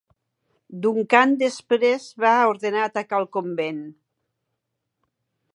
Duncan després va ordenar atacar el convent.